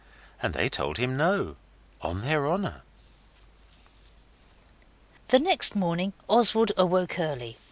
And they told him no, on their honour. The next morning Oswald awoke early.